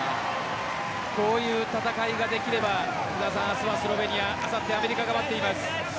こういう戦いができれば明日はスロベニアあさって、アメリカが待っています。